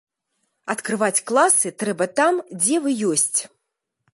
Адкрываць класы трэба там, дзе вы ёсць.